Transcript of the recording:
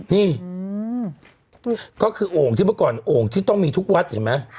นี่ก็คือโอ่งที่เมื่อก่อนโอ่งที่ต้องมีทุกวัดเห็นไหม